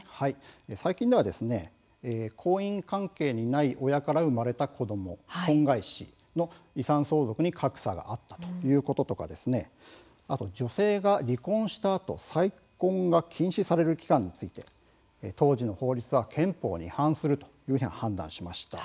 最近では婚姻関係にない親から生まれた子ども婚外子の遺産相続に格差があったということや女性が離婚したあと再婚が禁止される期間について当時の法律が憲法に反すると判断しました。